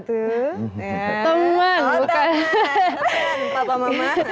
temen papa mama